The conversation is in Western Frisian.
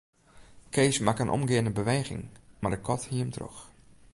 Kees makke in omgeande beweging, mar de kat hie him troch.